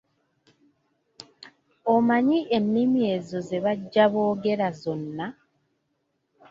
Omanyi ennimi ezo ze bajja boogera zonna?